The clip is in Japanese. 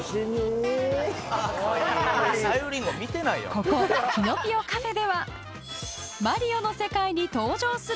［ここキノピオ・カフェでは］